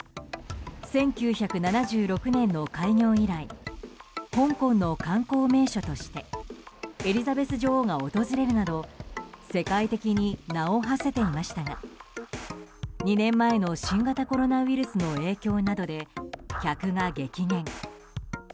１９７６年の開業以来香港の観光名所としてエリザベス女王が訪れるなど世界的に名を馳せていましたが２年前の新型コロナウイルスの影響などで客が激減。